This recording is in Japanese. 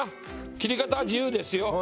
切り方は自由ですよ。